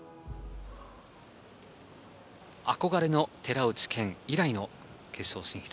憧れの寺内健以来の決勝進出。